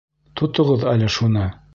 Тотоғоҙ әле шуны!